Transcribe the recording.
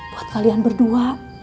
buat kalian berdua